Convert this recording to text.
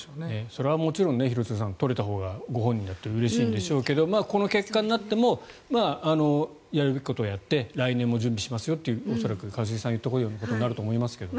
それはもちろん廣津留さん取れたほうがご本人にとってうれしいんでしょうけどもこの結果になってもやるべきことをやって来年も準備しますよという一茂さんが言ったようなことになると思いますけど。